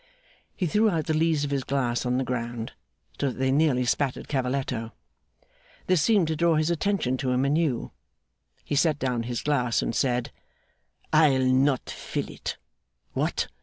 He threw out the lees of his glass on the ground, so that they nearly spattered Cavalletto. This seemed to draw his attention to him anew. He set down his glass and said: 'I'll not fill it. What!